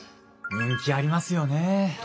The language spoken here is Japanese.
人気ありますよね。